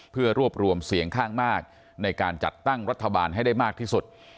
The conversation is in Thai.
เพื่อรวบรวมเสียงข้างมากในการจัดตั้งรัฐบาลให้ได้มากที่สุด